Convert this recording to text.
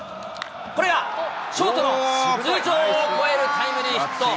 これがショートの頭上を越えるタイムリーヒット。